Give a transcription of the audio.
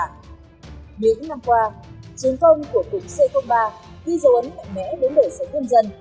những năm qua chiến công của cục c ba ghi dấu ấn mạnh mẽ đối với xã quân dân